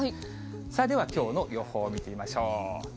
さあ、ではきょうの予報を見てみましょう。